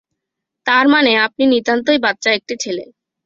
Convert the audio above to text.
তার মানে আপনি নিতান্তই বাচ্চা একটি ছেলে।